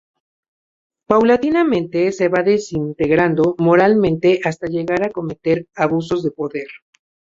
Paulatinamente se va desintegrando moralmente hasta llegar a cometer abusos de poder.